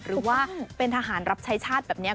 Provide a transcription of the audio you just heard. หรือว่าเป็นทหารรับใช้ชาติแบบนี้